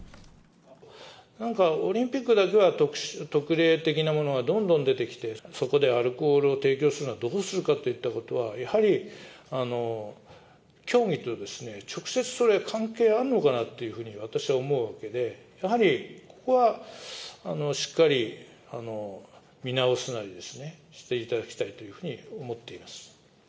なんかオリンピックだけは特例的なものがどんどん出てきて、そこでアルコールを提供するのはどうするかといったことは、やはり競技と直接それ、関係あるのかなっていうふうに私は思うわけで、やはり、ここはしっかり見直すなりですね、していただきたいというふうに思っています。